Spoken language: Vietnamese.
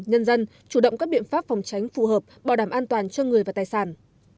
nhân dân chủ động các biện pháp phòng tránh phù hợp bảo đảm an toàn cho người và tài sản